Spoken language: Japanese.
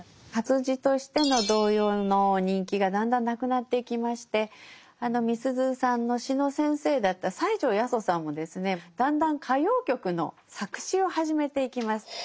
活字としての童謡の人気がだんだんなくなっていきましてみすゞさんの詩の先生だった西條八十さんもですねだんだん歌謡曲の作詞を始めていきます。